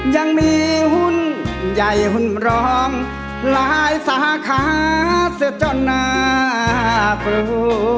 ยังมีหุ้นใหญ่หุ้นรองหลายสาขาเสียจนน่ากลัว